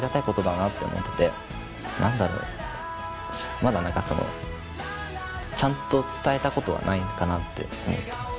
まだ何かそのちゃんと伝えたことはないかなって思ってます。